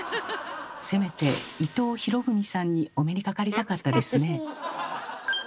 せめて伊藤博文さんにお目にかかりたかったですね。